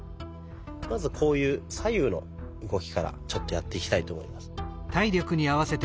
まずこういう左右の動きからちょっとやっていきたいと思います。